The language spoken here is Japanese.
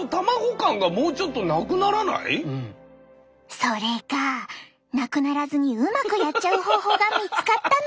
たださそれがなくならずにうまくやっちゃう方法が見つかったの！